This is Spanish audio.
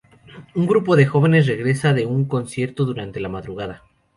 Un grupo de jóvenes regresa de un concierto durante la madrugada.